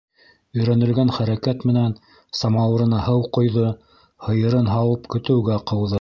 Өйрәнелгән хәрәкәт менән самауырына һыу ҡойҙо, һыйырын һауып, көтөүгә ҡыуҙы.